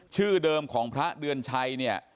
ชื่อเดิมของพระเดือนชัยเนี่ย